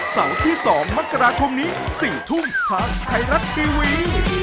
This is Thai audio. เสาร์ที่๒มกราคมนี้๔ทุ่มทางไทยรัฐทีวี